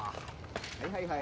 はいはいはい。